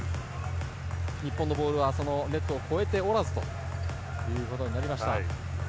日本のボールはネットを越えておらずということになりました。